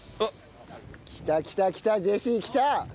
きたきたきたジェシーきた！